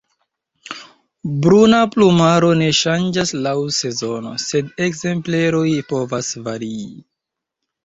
Bruna plumaro ne ŝanĝas laŭ sezono, sed ekzempleroj povas varii.